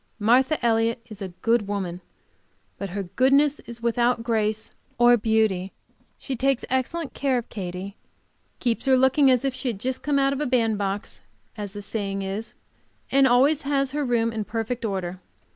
Martha Elliott is a good woman, but her goodness is without grace or beauty. She takes excellent care of Katy, keeps her looking as if she had just come out of a band box, as the saying and always has her room in perfect order.